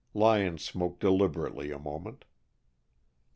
Lyon smoked deliberately a moment.